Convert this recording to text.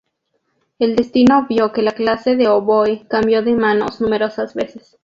El destino vio que la clase de oboe cambió de manos numerosas veces.